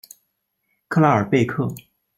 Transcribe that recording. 克拉尔贝克。